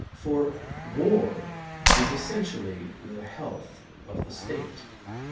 For war is essentially the health of the State.